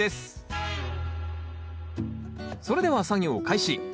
それでは作業開始。